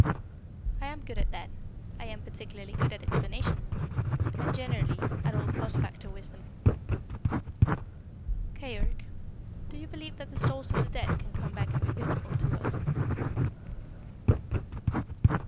"I am good at that. I am particularly good at explanations and, generally, at all post facto wisdom." "Keyork, do you believe that the souls of the dead can come back and be visible to us?"